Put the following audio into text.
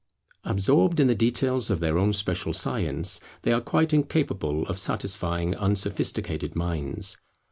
Absorbed in the details of their own special science, they are quite incapable of satisfying unsophisticated minds.